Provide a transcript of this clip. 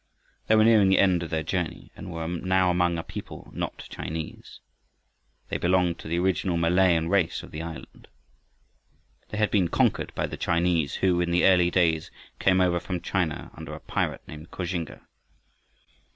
They were nearing the end of their journey and were now among a people not Chinese. They belonged to the original Malayan race of the island. They had been conquered by the Chinese, who in the early days came over from China under a pirate named Koxinga.